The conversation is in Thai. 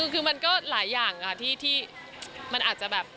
คือมันก็หลายอย่างค่ะที่มันอาจจะแบบ